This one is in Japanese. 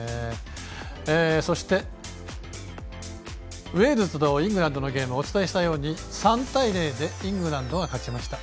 そしてウェールズとイングランドのゲームお伝えしたように３対０でイングランドが勝ちました。